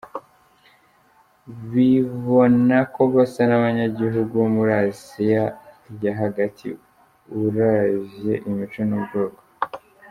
Bibona ko basa n'abanyagihugu bo muri Asia ya hagati uravye imico n'ubwoko.